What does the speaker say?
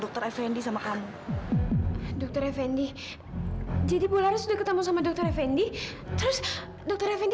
dokter fnd sama kamu dokter fnd jadi pulang sudah ketemu sama dokter fnd terus dokter fnd